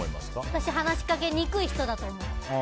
私、話しかけにくい人だと思う。